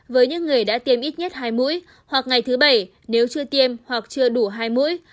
với những người đã tiêm ít nhất hai mũi hoặc ngày thứ bảy nếu chưa tiêm hoặc chưa đủ hai mũi